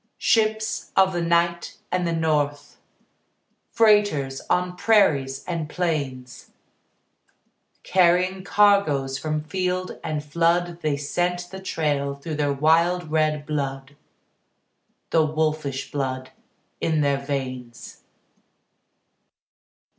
Ships of the night and the north, Freighters on prairies and plains, Carrying cargoes from field and flood They scent the trail through their wild red blood, The wolfish blood in their veins.